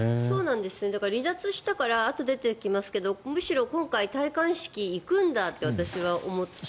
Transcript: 離脱したからあとで出てきますけどむしろ今回戴冠式に行くんだって私は思って。